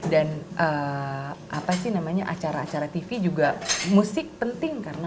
dan acara acara tv juga musik penting